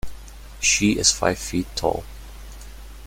She is five feet tall.